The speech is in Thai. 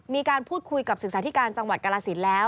มีการพูดคุยกับศึกษาธิการจังหวัดกรสินแล้ว